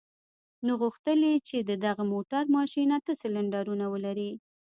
نو غوښتل يې چې د دغه موټر ماشين اته سلنډرونه ولري.